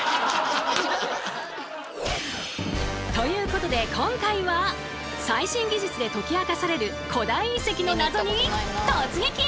ということで今回は最新技術で解き明かされる古代遺跡の謎に突撃！